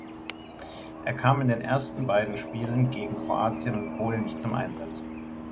Er kam in den ersten beiden Spielen gegen Kroatien und Polen nicht zum Einsatz.